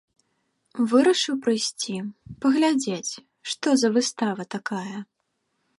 Вырашыў прыйсці, паглядзець, што за выстава такая.